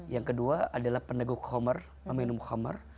yang kedua adalah pendeguk khomer pemenuh khomer